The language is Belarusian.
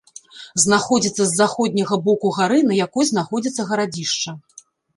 Знаходзіцца з заходняга боку гары, на якой знаходзіцца гарадзішча.